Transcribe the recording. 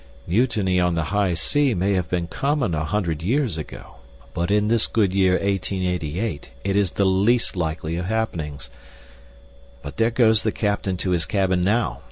"Mutiny on the high sea may have been common a hundred years ago, but in this good year 1888 it is the least likely of happenings. "But there goes the captain to his cabin now.